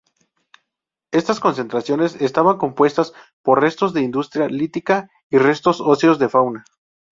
Estas concentraciones estaban compuestas por restos de industria lítica y restos óseos de fauna.